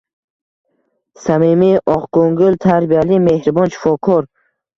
Samimiy, oqko`ngil, tarbiyali, mehribon shifokor